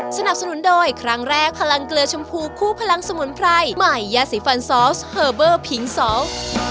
สนับสนุนโดยครั้งแรกพลังเกลือชมพูคู่พลังสมุนไพรใหม่ยาสีฟันซอสเฮอร์เบอร์ผิงสอง